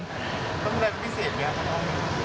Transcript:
ก็อาจจะต้องดูแลเป็นพิเศษเพราะว่าเราไม่รู้